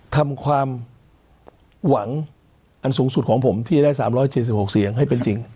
ทำความหวังอันสูงสุดของผมที่ได้๓๗๖เสียงให้เป็นจริง